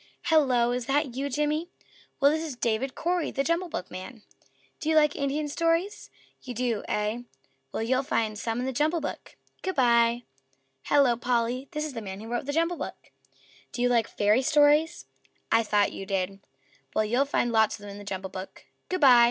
"Hello! Is that you, Jimmy?" "Well, this is David Cory, the JUMBLE BOOKman. Do you like Indian stories? You do, eh? Well, you'll find some in the JUMBLE BOOK. Good by!" "Hello, Polly!" "This is the man who wrote the JUMBLE BOOK. Do you like Fairy Stories? I thought you did. Well, you'll find lots of them in the JUMBLE BOOK. Good by."